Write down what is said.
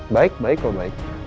baik baik kok baik